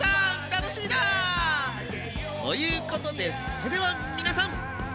楽しみだ！ということでそれでは皆さん。